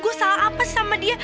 gue salah apaan sih sama dia